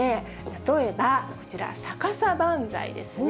例えばこちら、逆さバンザイですね。